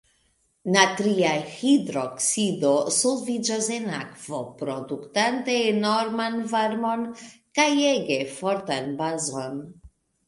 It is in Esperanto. Natria hidroksido solviĝas en akvo, produktante enorman varmon kaj ege fortan bazon.